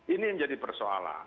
ini yang jadi persoalan